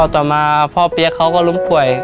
ต่อมาพ่อเปี๊ยกเขาก็ล้มป่วย